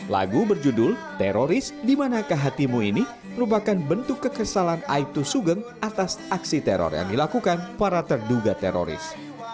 lagu berjudul teroris di manakah hatimu ini merupakan bentuk kekesalan aibtu sugeng atas aksi teror yang dilakukan para terduga teroris